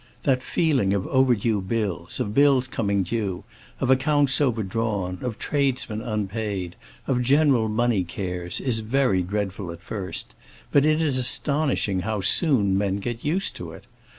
That feeling of over due bills, of bills coming due, of accounts overdrawn, of tradesmen unpaid, of general money cares, is very dreadful at first; but it is astonishing how soon men get used to it.